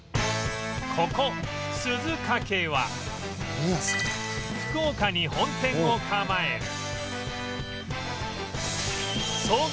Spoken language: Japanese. ここ鈴懸は福岡に本店を構える